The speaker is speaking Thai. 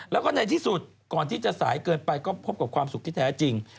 แล้วก็ในที่สุดก่อนที่จะสายเกินไปก็พบกับความสุขที่แท้จริง